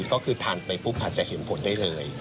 ก็คือทานไปปุ๊บอาจจะเห็นผลได้เลย